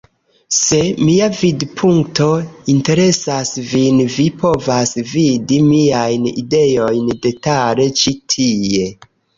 Se mia vidpunkto interesas vin vi povas vidi miajn ideojn detale ĉi tie.